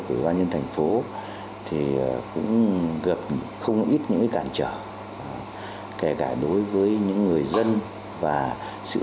của ban nhân thành phố thì cũng gặp không ít những cản trở kể cả đối với những người dân và sự